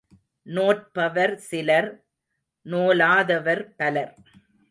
நோற்பவர் சிலர், நோலாதவர் பலர்.